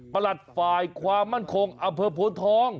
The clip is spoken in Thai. หลัดฝ่ายความมั่นคงอำเภอโพนทอง